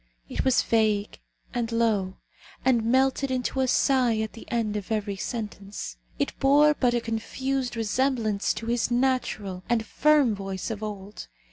It was vague and low, and melted into a sigh at the end of every sentence. It bore but a confused resemblance to his natural and firm voice of old.